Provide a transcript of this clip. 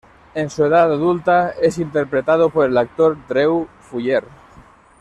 En su edad adulta, es interpretado por el actor Drew Fuller.